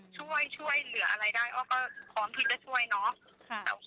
ช่วยเหลือช่วยเหลืออะไรได้อ้อก็พร้อมที่จะช่วยเนาะ